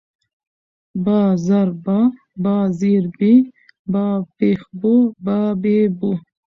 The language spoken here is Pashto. ب زر با، ب زېر بي، ب پېښ بو، با بي بو